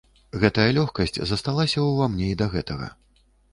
Гэтая лёгкасць засталася ўва мне і да гэтага.